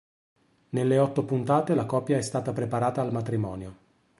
Nelle otto puntate la coppia è stata preparata al matrimonio.